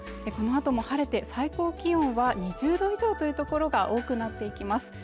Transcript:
このあとも晴れて最高気温は２０度以上という所が多くなっていきます